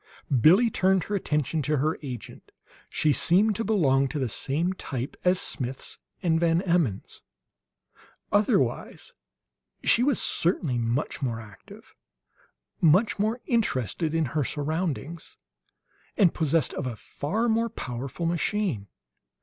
] Billie turned her attention to her agent. She seemed to belong to the same type as Smith's and Van Emmon's; otherwise she was certainly much more active, much more interested in her surroundings, and possessed of a far more powerful machine.